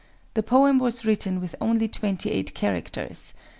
The poem was written with only twenty eight characters.